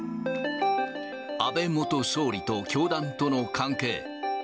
安倍元総理と教団との関係。